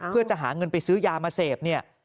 เพื่อจะหาเงินไปซื้อยามาเสพเนี่ย